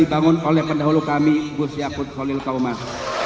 dan membangun oleh pendahulu kami gus yaput holil kaumas